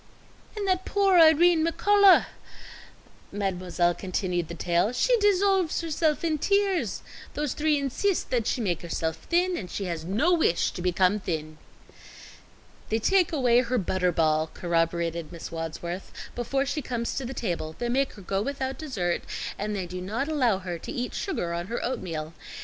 "And that poor Irene McCullough," Mademoiselle continued the tale, "she dissolves herself in tears. Those three insist that she make herself thin, and she has no wish to become thin." "They take away her butter ball," corroborated Miss Wadsworth, "before she comes to the table; they make her go without dessert, and they do not allow her to eat sugar on her oatmeal.